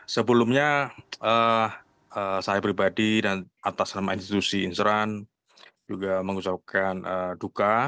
sebelumnya saya pribadi dan atas nama institusi inserran juga mengucapkan duka